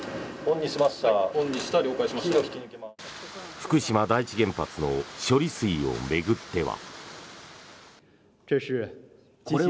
福島第一原発の処理水を巡っては。